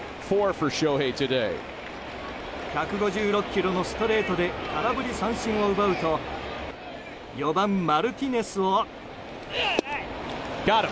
１５６キロのストレートで空振り三振を奪うと４番マルティネスを。